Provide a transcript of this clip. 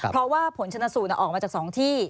เพราะว่าผลชนสูตรออกมาจาก๒ที่